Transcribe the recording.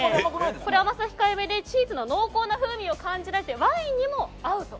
これ甘さ控えめでチーズな濃厚な風味を感じられてワインにも合うと。